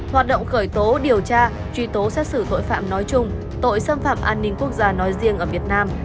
hoạt động khởi tố điều tra truy tố xét xử tội phạm nói chung tội xâm phạm an ninh quốc gia nói riêng ở việt nam